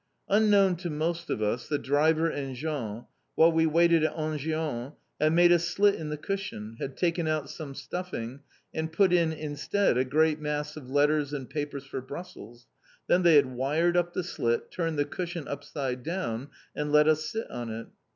Unknown to most of us, the driver and Jean, while we waited at Enghien, had made a slit in the cushion, had taken out some stuffing, and put in instead a great mass of letters and papers for Brussels, then they had wired up the slit, turned the cushion upside down, and let us sit on it.